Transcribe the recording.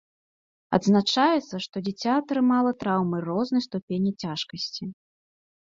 Адзначаецца, што дзіця атрымала траўмы рознай ступені цяжкасці.